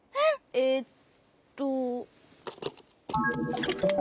えっと。